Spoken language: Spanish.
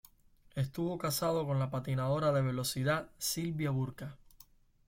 Estuvo casado con la patinadora de velocidad Sylvia Burka.